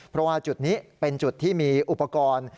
เพราะว่าจุดนี้เป็นจุดที่มีอุปกรณ์